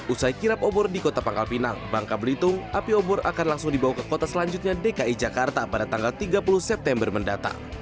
usai kirap obor di kota pangkal pinang bangka belitung api obor akan langsung dibawa ke kota selanjutnya dki jakarta pada tanggal tiga puluh september mendatang